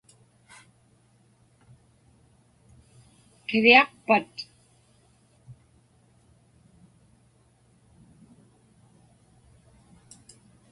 Qiviaqpat?